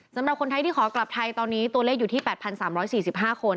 สำหรับคนไทยที่ขอกลับไทยตอนนี้ตัวเลขอยู่ที่๘๓๔๕คน